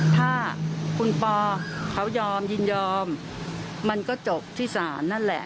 ถ้าคุณปอเขายอมยินยอมมันก็จบที่ศาลนั่นแหละ